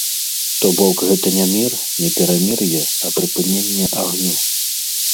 То бок, гэта не мір, не перамір'е, а прыпыненне агню.